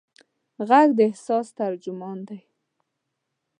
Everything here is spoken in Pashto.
غږ د احساس ترجمان دی.